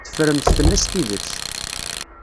Teffremt fell-as tidet.